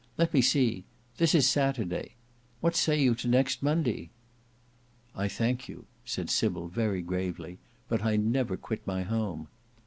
Let me see; this is Saturday. What say you to next Monday?" "I thank you," said Sybil, very gravely, "but I never quit my home."